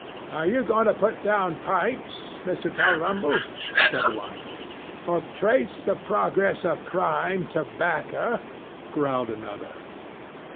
'Are you going to put down pipes, Mr. Tulrumble?' said one. 'Or trace the progress of crime to 'bacca?' growled another.